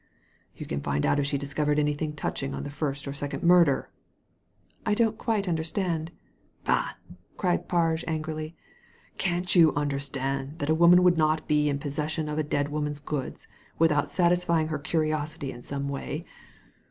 ''You can find out if she has discovered anything touching on the first or second murder I "" I don't quite understand." "Bah!" cried Parge, angrily. "Can't you under stand that a woman would not be left in possession of a dead woman's goods without satisfying her curiosity in some way?